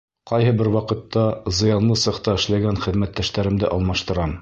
Ҡайһы бер ваҡытта «зыянлы» цехта эшләгән хеҙмәттәштәремде алмаштырам.